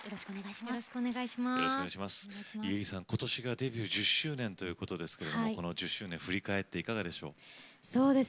家入さんことしがデビュー１０周年ということでこの１０周年振り返っていかがでしょう？